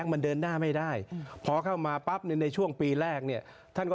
คือฟังจนงงเลยฮะ